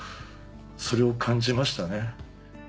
それを感じましたね。